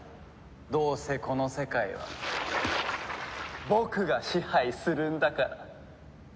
どうせこの世界は僕が支配するんだから。